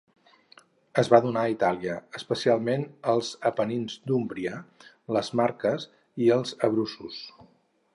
Es van donar a Itàlia, especialment als Apenins d'Úmbria, les Marques i els Abruços.